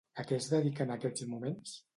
A què es dedica en aquests moments?